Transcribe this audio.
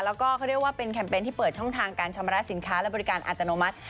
แล้วก็เขาเรียกว่าเป็นแคมเปญที่เปิดช่องทางการชำระสินค้าและบริการอัตโนมัติ